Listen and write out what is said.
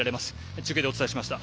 中継でお伝えしました。